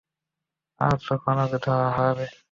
আর যখন ওকে হারাবে।